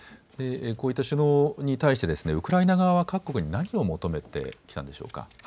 こういった首脳に対してウクライナ側は各国に何を求めてきたんでしょうか。